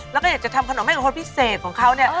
แล้วก็อยากจะทำขนมให้กับคนพิเศษของเขาเนี่ย